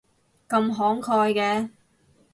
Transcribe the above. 咁慷慨嘅